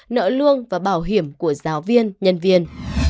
nợ lương và bảo hiểm của giáo viên nhân viên